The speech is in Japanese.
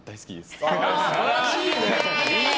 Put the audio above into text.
素晴らしいね。